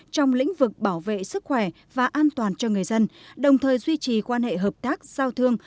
trong lĩnh vực bảo vệ sức khỏe và an toàn cho người dân đồng thời duy trì quan hệ hợp tác giao thương